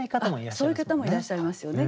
そういう方もいらっしゃいますよね。